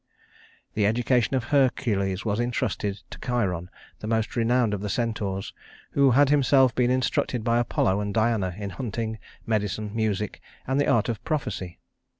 The education of Hercules was intrusted to Chiron, the most renowned of the centaurs, who had himself been instructed by Apollo and Diana in hunting, medicine, music, and the art of prophecy.